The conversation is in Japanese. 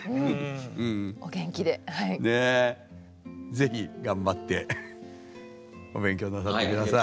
是非頑張ってお勉強なさって下さい。